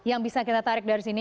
yang bisa kita tarik dari sini